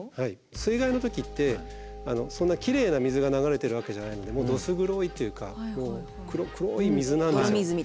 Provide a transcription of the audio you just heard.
水害の時ってそんなきれいな水が流れてるわけじゃないのでどす黒いというか黒い水なんですよ。